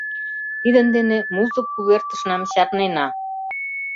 — Тидын дене музык увертышнам чарнена.